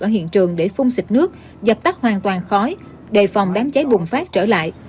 ở hiện trường để phun xịt nước dập tắt hoàn toàn khói đề phòng đám cháy bùng phát trở lại